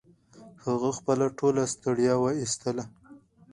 هغه خپله ټوله ستړيا و ایستله